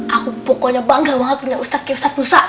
aku pokoknya bangga banget dengan ustadz kayak ustadz musa